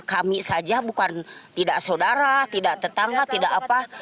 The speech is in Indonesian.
kami saja bukan tidak saudara tidak tetangga tidak apa